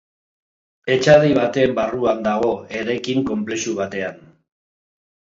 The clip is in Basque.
Etxadi baten barruan dago, eraikin konplexu batean.